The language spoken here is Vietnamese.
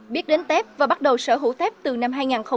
biết đến tép và bắt đầu sở hữu tép từ năm hai nghìn sáu